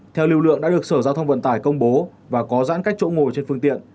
theo lưu lượng đã được sở giao thông vận tải công bố và có giãn cách chỗ ngồi trên phương tiện